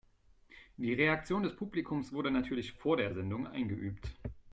Die Reaktion des Publikums wurde natürlich vor der Sendung eingeübt.